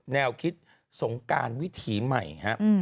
แนวคิดสงการวิถีใหม่ครับ